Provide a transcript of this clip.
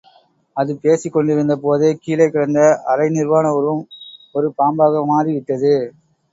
அது பேசிக்கொண்டிருந்த போதே கீழே கிடந்த அரை நிர்வாணஉருவம் ஒரு பாம்பாக மாறிவிட்டது.